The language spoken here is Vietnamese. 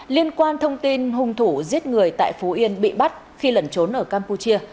liên quan thông tin hung thủ giết người tại phú yên bị bắt khi lẩn trốn ở campuchia